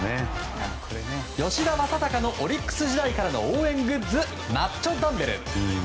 吉田正尚のオリックス時代からの応援グッズ、マッチョダンベル！